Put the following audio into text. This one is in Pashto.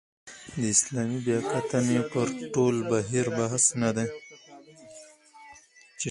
د اسلامي بیاکتنې پر ټول بهیر بحث نه دی.